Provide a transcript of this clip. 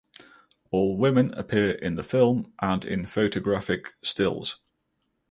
All women appear in the film and in photographic stills.